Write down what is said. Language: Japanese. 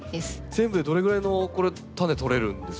全部でどれぐらいのこれタネ取れるんですか？